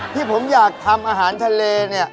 ที่ผมอยากทำอาหารทะเลเนี่ย